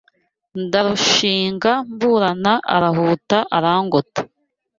Ndarushinga mburana Arahuta arangota